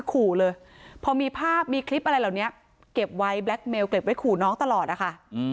ทำให้คุ้นเลยเพราะมีภาพมีคลิปอะไรแล้วเนี้ยเก็บไว้แบลคเมลให้ขุน้องตลอดนะคะ